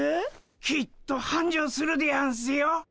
きっとはんじょうするでやんすよ。